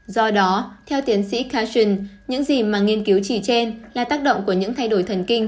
do đó theo tiến sĩ cation những gì mà nghiên cứu chỉ trên là tác động của những thay đổi thần kinh